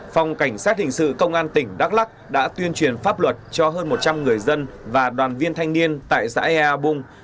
phòng cảnh sát hình sự công an tỉnh đắk lắc đã tuyên truyền pháp luật cho hơn một trăm linh người dân và đoàn viên thanh niên tại xã ea bung